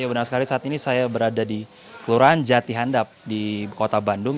benar sekali saat ini saya berada di kelurahan jati handap di kota bandung